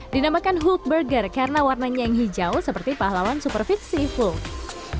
dinamakan hulk burger karena warnanya yang hijau seperti pahlawan super fixi hulk